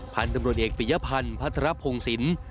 พันธุ์ตำรวจเอกปิยพันธ์พัทรพงศิลป์